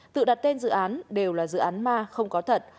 tự đặt tên dự án đều là dự án ma không có thật